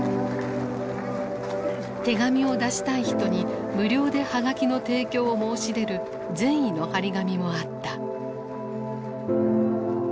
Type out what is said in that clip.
手紙を出したい人に無料で葉書の提供を申し出る善意の貼り紙もあった。